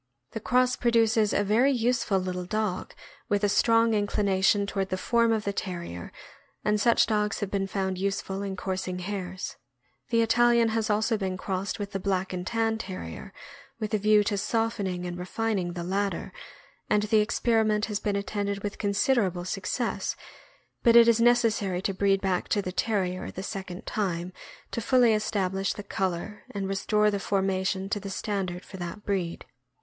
The cross produces a very useful little dog, with a strong inclination toward the form of the Terrier, and such dogs have been found useful in coursing hares. The Italian has also been crossed with the Black and Tan Terrier, with a view to softening and refining the latter, and the experiment has been attended with considerable suc cess, but it is necessary to breed back to the Terrier the second time to fully establish the color and restore the formation to the standard for that breed.